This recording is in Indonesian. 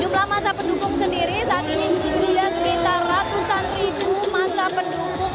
jumlah masa pendukung sendiri saat ini sudah sekitar ratusan ribu masa pendukung